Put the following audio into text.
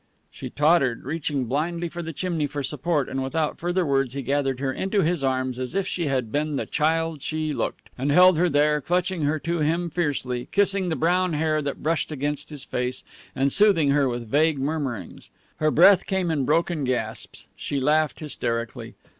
She tottered, reaching blindly for the chimney for support, and without further words he gathered her into his arms as if she had been the child she looked, and held her there, clutching her to him fiercely, kissing the brown hair that brushed against his face, and soothing her with vague murmurings. Her breath came in broken gasps. She laughed hysterically.